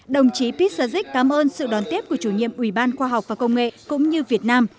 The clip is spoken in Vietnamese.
đồng chí pistajik cảm ơn sự đón tiếp của chủ nhiệm ủy ban khoa học và công nghệ cũng như việt nam